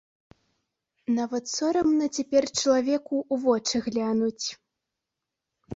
Нават сорамна цяпер чалавеку ў вочы глянуць.